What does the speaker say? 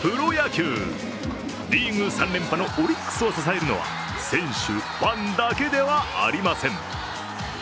プロ野球、リーグ３連覇のオリックスを支えるのは選手、ファンだけではありません。